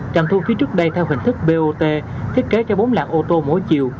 trạm thu phí trước đây theo hình thức bot thiết kế cho bốn loạt ô tô mỗi chiều